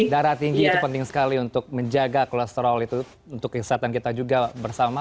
darah tinggi itu penting sekali untuk menjaga kolesterol itu untuk kesehatan kita juga bersama